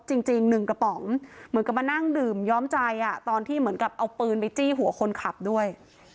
จริงหนึ่งกระป๋องเหมือนกับมานั่งดื่มย้อมใจอ่ะตอนที่เหมือนกับเอาปืนไปจี้หัวคนขับด้วย